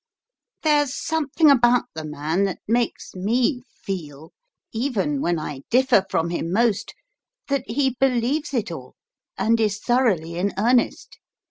"There's something about the man that makes me feel even when I differ from him most that he believes it all, and is thoroughly in earnest.